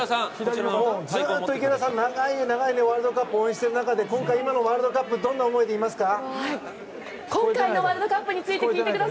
ずっとイケダさん、長い長いワールドカップを応援している中でこのワールドカップはどんな思いでいますか？